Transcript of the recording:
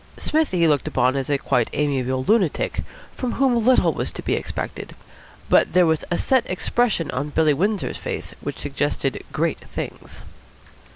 Psmith he looked upon as a quite amiable lunatic, from whom little was to be expected; but there was a set expression on Billy Windsor's face which suggested great things.